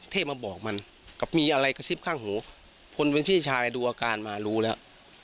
เทพมาบอกมันกับมีอะไรกระซิบข้างหูคนเป็นพี่ชายดูอาการมารู้แล้ว